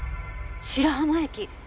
白浜駅。